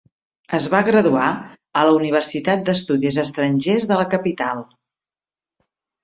Es va graduar a la Universitat d'Estudis Estrangers de la capital.